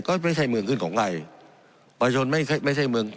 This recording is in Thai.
ก็ไม่ใช่เมืองขึ้นของใครประชนไม่ใช่ไม่ใช่เมือง